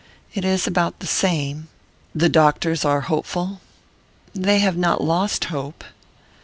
"It is about the same." "The doctors are hopeful?" "They have not lost hope."